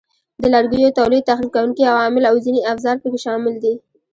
د لرګیو تولید، تخریب کوونکي عوامل او ځینې افزار پکې شامل دي.